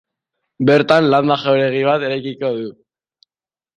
Bertan landa jauregi bat eraikiko du.